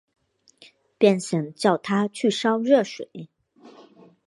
便想叫她去烧热水